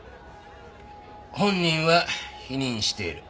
本人は否認している。